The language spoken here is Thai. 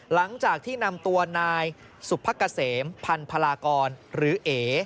หลังจากที่นำตัวนายสุภกะเสมพันพลากรหรือเอ